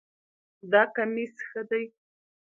دا کمیس ښه ده